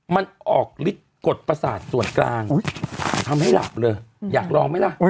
มันออกฤทธิ์กฎประสาทส่วนกลางทำให้หลับเลยอยากลองไหมล่ะ